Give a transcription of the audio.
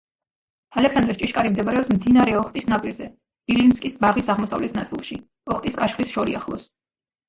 ალექსანდრეს ჭიშკარი მდებარეობს მდინარე ოხტის ნაპირზე ილინსკის ბაღის აღმოსავლეთ ნაწილში, ოხტის კაშხლის შორიახლოს.